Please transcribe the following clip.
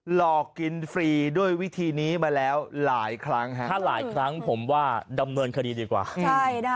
หลอกกินฟรีด้วยวิธีนี้มาแล้วหลายครั้งฮะถ้าหลายครั้งผมว่าดำเนินคดีดีกว่าใช่นะคะ